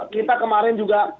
kita kemarin juga